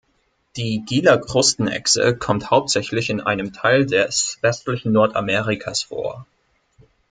Die Gila-Krustenechse kommt hauptsächlich in einem Teil des westlichen Nordamerikas vor.